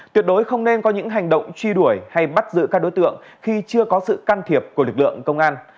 tuyệt đối không nên có những hành động truy đuổi hay bắt giữ các đối tượng khi chưa có sự can thiệp của lực lượng công an